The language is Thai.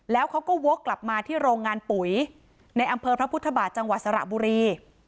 แล้วเขาก็วกกลับมาที่โรงงานปุ๋ยในอำเภอพระพุทธบาทจังหวัดสระบุรี